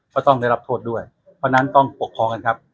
ก็ต้องได้รับโทษด้วยเพราะฉะนั้นต้องปกครองกันครับ